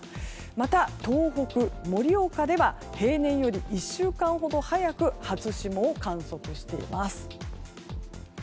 また、東北の盛岡では平年より１週間ほど早く初霜を観測しています。